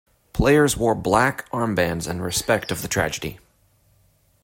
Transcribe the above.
Players wore black armbands in respect of the tragedy.